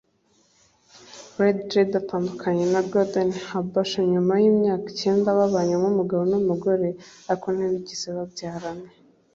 Lady Jaydee atandukanye na Gardner Habash nyuma y’imyaka icyenda babanye nk’umugabo n’umugore ariko ntibigeze babyarana